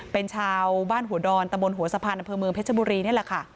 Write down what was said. เป็นชาวบ้านหัวดอนตะบนหัวสะพานอำเภอเมืองเพชรบุรีนี่แหละค่ะ